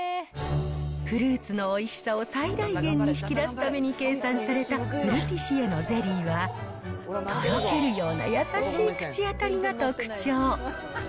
フルーツのおいしさを最大限に引き出すために計算されたフルティシエのゼリーは、とろけるような優しい口当たりが特徴。